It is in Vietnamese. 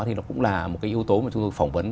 thì nó cũng là một yếu tố mà tôi phỏng vấn